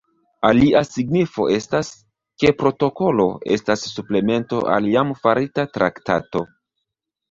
Alia signifo estas, ke protokolo estas suplemento al jam farita traktato.